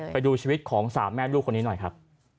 ไปดูชีวิตของสามแม่ลูกคนนี้หน่อยครับ